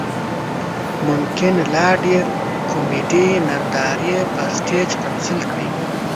ممکن لا ډېرې کومیډي نندارې پر سټیج تمثیل کړي.